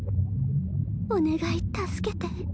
お願い助けて。